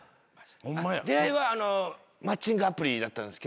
出会いはマッチングアプリだったんですけど。